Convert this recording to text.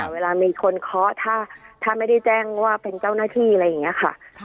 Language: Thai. เวลามีคนเคาะถ้าไม่ได้แจ้งว่าเป็นเจ้าหน้าที่อะไรอย่างนี้ค่ะ